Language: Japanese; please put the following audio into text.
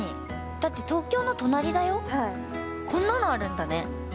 だって東京の隣だよ、こんなのあるんだね。